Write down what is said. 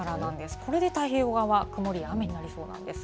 これで太平洋側は曇りや雨になる予想です。